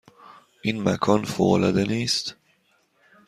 این مکان فوق العاده نیست؟